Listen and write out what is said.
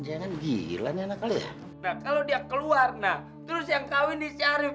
jangan keluar keluar dari tubuhnya syarif